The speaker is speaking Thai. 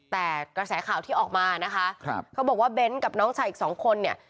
แต่กระแสข่าวที่ออกมานะคะเขาบอกว่าเบ้นกับน้องชายอีกสองคนเนี่ย